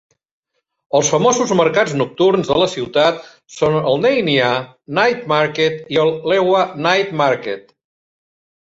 Els famosos mercats nocturns de la ciutat són el Nanya Night Market i el Lehua Night Market.